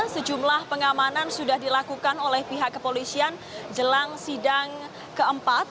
sejumlah pengamanan sudah dilakukan oleh pihak kepolisian jelang sidang keempat